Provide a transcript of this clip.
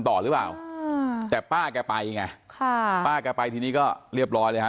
ต่อหรือเปล่าแต่ป้าก็ไปไงป้าก็ไปที่นี่ก็เรียบร้อยแล้ว